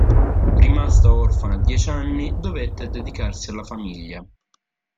Rimasta orfana a dieci anni, dovette dedicarsi alla famiglia.